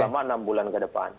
selama enam bulan ke depan